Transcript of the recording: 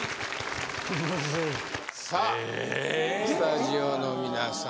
さあスタジオの皆さん